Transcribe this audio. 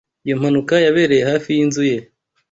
Iyo mpanuka yabereye hafi yinzu ye.